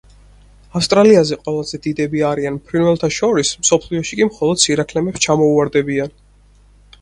ავსტრალიაზე ყველაზე დიდები არიან ფრინველთა შორის, მსოფლიოში კი მხოლოდ სირაქლემებს ჩამოუვარდებიან.